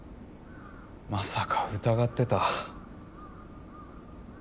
まさか疑ってた？